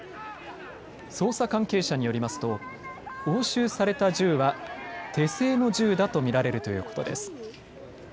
捜査関係者によりますと押収された銃は手製の銃だと見られるということです。